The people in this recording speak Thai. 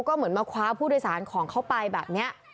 ก็เหมือนมาคว้าผู้โดยสารของเขาไปแบบนี้